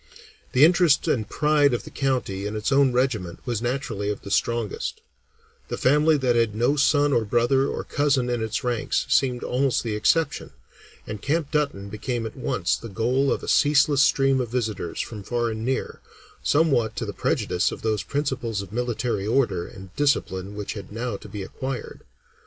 The interest and pride of the county in its own regiment was naturally of the strongest; the family that had no son or brother or cousin in its ranks seemed almost the exception, and Camp Dutton became at once the goal of a ceaseless stream of visitors from far and near, somewhat to the prejudice of those principles of military order and discipline which had now to be acquired.